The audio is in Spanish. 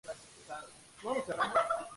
Él agarró su mano y se detuvo.